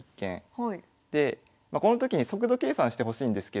でまあこのときに速度計算してほしいんですけど。